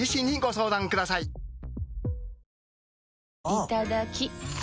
いただきっ！